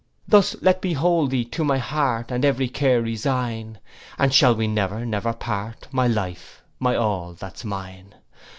'Thus let me hold thee to my heart, And ev'ry care resign: And shall we never, never part, My life,—my all that's mine.